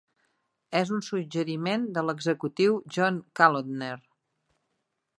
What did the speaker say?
És una suggeriment de l'executiu John Kalodner.